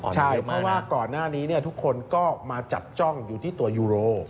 ใช่เพราะว่าก่อนหน้านี้ทุกคนก็มาจับจ้องอยู่ที่ตัวยูโร